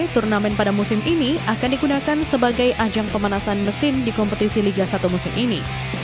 turnamen pada musim ini akan digunakan sebagai ajang pemanasan mesin di kompetisi liga satu musim ini